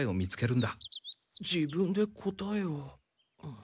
自分で答えを。